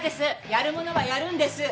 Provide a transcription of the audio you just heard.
やるものはやるんです。